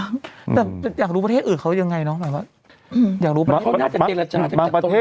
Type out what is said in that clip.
แต่อยากรู้ประเทศอื่นเขายังไงเนาะ